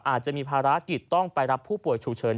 อาจจะมีภารกิจต้องไปรับผู้ป่วยฉุกเฉิน